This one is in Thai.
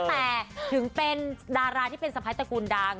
แต่ถึงเป็นดาราที่เป็นสะพ้ายตระกูลดัง